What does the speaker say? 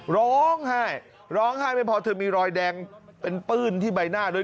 ร้องไห้ร้องไห้ไม่พอเธอมีรอยแดงเป็นปื้นที่ใบหน้าด้วย